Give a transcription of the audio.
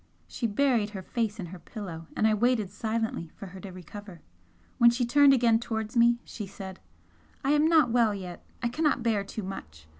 She buried her face in her pillow, and I waited silently for her to recover. When she turned again towards me, she said "I am not well yet, I cannot bear too much.